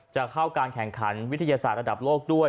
จะเข้าการแข่งขันวิทยาศาสตร์ระดับโลกด้วย